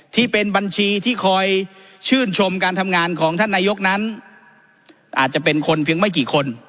ที่เป็นบัญชีที่คอยชื่นชมการทำงานของท่านนายกนั้นอาจจะเป็นคนเพียงไม่กี่คน